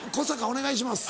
お願いします。